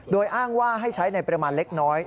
โดยอ้างว่าให้ใช้ในประมาณเล็กน้อย